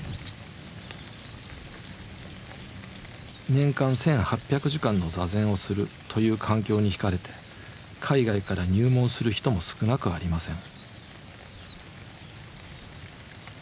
年間１，８００時間の坐禅をするという環境に引かれて海外から入門する人も少なくありません。